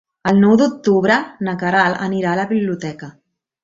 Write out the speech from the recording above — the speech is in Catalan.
El nou d'octubre na Queralt anirà a la biblioteca.